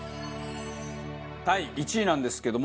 第１位なんですけども。